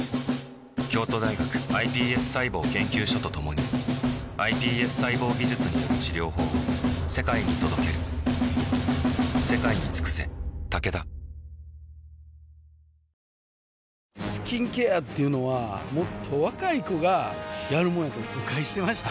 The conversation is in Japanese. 京都大学ｉＰＳ細胞研究所と共にｉＰＳ細胞技術による治療法を世界に届けるスキンケアっていうのはもっと若い子がやるもんやと誤解してました